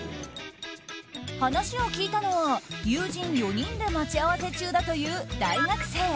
話を聞いたのは友人４人で待ち合わせ中だという大学生。